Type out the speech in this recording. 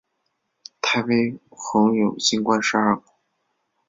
太微垣有星官二十个。